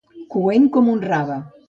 Coent com un rave.